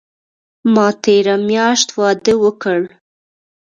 ما تیره میاشت واده اوکړ